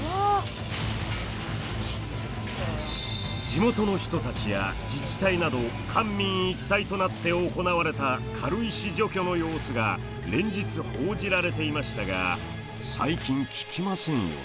地元の人たちや自治体など官民一体となって行われた軽石除去の様子が連日報じられていましたが最近聞きませんよね？